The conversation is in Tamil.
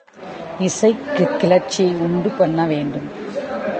இசை, கிளர்ச்சியை உண்டு பண்ணவேண்டும்.